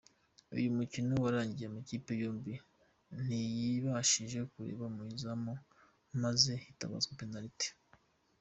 Uyu mukino warangiye amakipe yombi ntayibashije kureba mu izamu maze hitabazwa penaliti.